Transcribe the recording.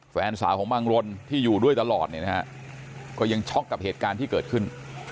แฟนสาวของบังรนที่อยู่ด้วยตลอดเนี่ยนะฮะก็ยังช็อกกับเหตุการณ์ที่เกิดขึ้น